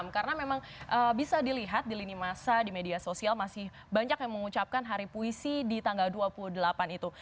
karena memang bisa dilihat di lini masa di media sosial masih banyak yang mengucapkan hari puisi di tanggal dua puluh delapan itu